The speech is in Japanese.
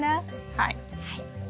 はい。